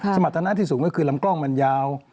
สมรรถนะที่สูงก็คือลำกล้องมันยาว